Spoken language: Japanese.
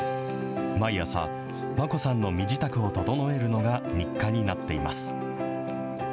毎朝、マコさんの身支度を整えるのが日課になっています。